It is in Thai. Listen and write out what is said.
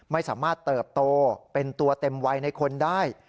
ไม่สามารถเติบโตเป็นตัวเต็มวัยในคนได้